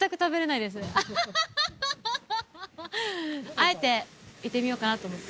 あえていってみようかなと思って。